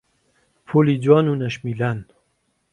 پۆلی جوان و نەشمیلان